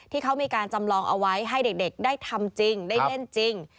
ที่เขามีการจำลองเอาไว้ให้เด็กได้ทำจริงได้เล่นจริง